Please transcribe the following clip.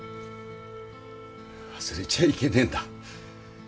忘れちゃいけねえんだ。